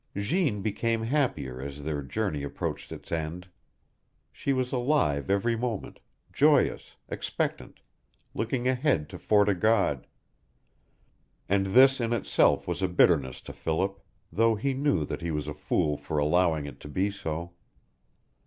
Jeanne became happier as their journey approached its end. She was alive every moment, joyous, expectant, looking ahead to Fort o' God; and this in itself was a bitterness to Philip, though he knew that he was a fool for allowing it to be so.